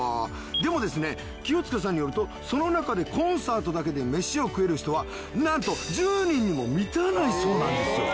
でもですね清塚さんによるとその中でコンサートだけで飯を食える人はなんと１０人にも満たないそうなんですよ。